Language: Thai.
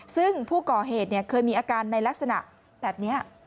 ซึ่งผู้ก่อเหตุเคยมีอาการในลักษณะแบบนี้